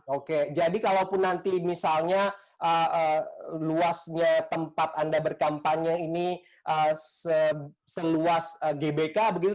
oke jadi kalau pun nanti misalnya luasnya tempat anda berkampanye ini seluas gbk begitu